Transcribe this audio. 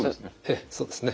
ええそうですね。